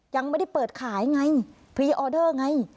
ยังไม่ได้เปิดขายไงพรีออเดอร์ไง